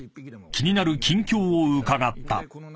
［気になる近況を伺った］